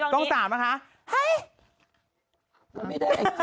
กล้องนี้กล้องนี้อะคะฮัยไม่ได้เอกสะ